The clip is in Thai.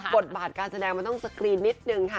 บทบาทการแสดงมันต้องสกรีนนิดนึงค่ะ